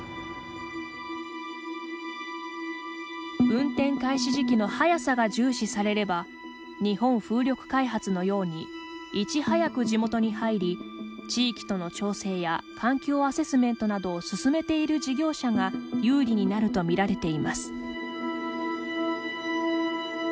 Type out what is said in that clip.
運転開始時期の早さが重視されれば日本風力開発のようにいち早く地元に入り地域との調整や環境アセスメントなどを進めている事業者が有利になると見られています。